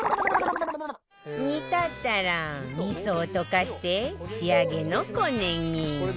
煮立ったら味噌を溶かして仕上げの小ネギ